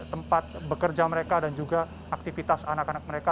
tempat bekerja mereka dan juga aktivitas anak anak mereka